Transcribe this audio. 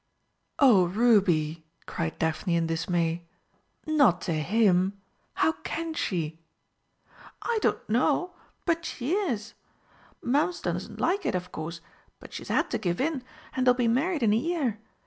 "Oh, Ruby!" cried Daphne in dismay. "Not to him! How can she?" "I don't know but she is. Mums doesn't like it, of course, but she's had to give in, and they'll be married in a year.